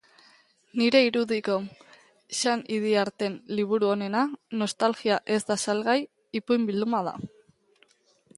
Nire irudiko, Xan Idiarten liburu onena "Nostalgia ez da salgai" ipuin-bilduma da.